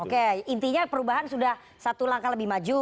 oke intinya perubahan sudah satu langkah lebih maju